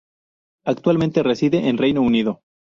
Actualmente residente en Reino Unido.